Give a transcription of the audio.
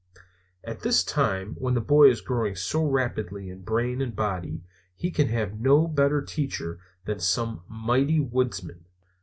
At this time, when the boy is growing so rapidly in brain and body, he can have no better teacher than some mighty woodsman.